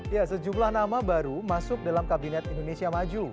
ya sejumlah nama baru masuk dalam kabinet indonesia maju